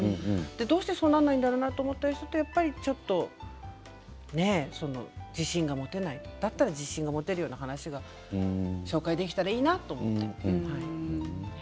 どうしてそうならないんだろうなと思うと自信が持てないだったら自信が持てるような話を紹介できたらいいなと思って。